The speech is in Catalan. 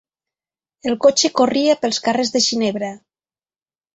El cotxe corria pels carrers de Ginebra.